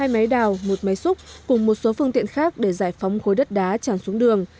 hai máy đào một máy xúc cùng một số phương tiện khác để giải phóng khối đất đá tràn xuống đường